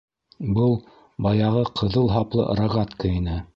Был баяғы ҡыҙыл һаплы рогатка ине.